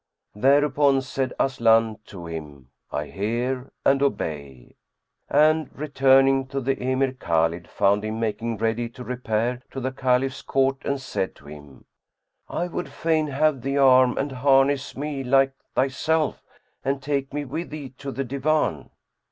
'" Thereupon said Aslan to him, "I hear and obey;" and, returning to the Emir Khбlid, found him making ready to repair to the Caliph's court and said to him, "I would fain have thee arm and harness me like thyself and take me with thee to the Divan."